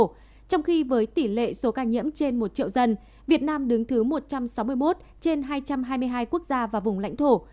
trong khi với tỷ lệ số ca nhiễm trên một triệu dân việt nam đứng thứ một trăm sáu mươi một trên hai trăm hai mươi hai quốc gia và vùng lãnh thổ